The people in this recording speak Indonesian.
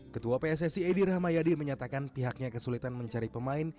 ketua pssi edir hamayadi menyatakan pihaknya kesulitan mencari pemain